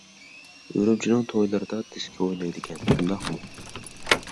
ئۈرۈمچىنىڭ تويلىرىدا دىسكو ئوينايدىكەن، شۇنداقمۇ؟